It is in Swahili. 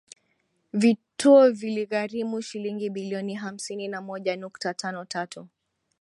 Vituo viligharimu shilingi bilioni hamsini na moja nukta tano tatu